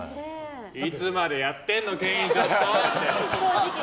いつまでやってんのケイン、ちょっと！って。